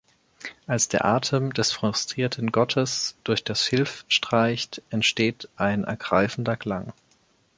Als der Atem des frustrierten Gottes durch das Schilf streicht, entsteht ein ergreifender Klang.